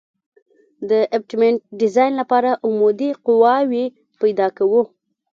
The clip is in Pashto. د ابټمنټ ډیزاین لپاره عمودي قواوې پیدا کوو